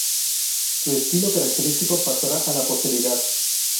Su estilo característico pasará a la posteridad.